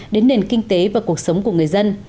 đến nền kinh tế và cuộc sống của người dân